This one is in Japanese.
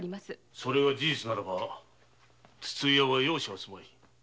それが事実なら筒井屋は容赦すまい。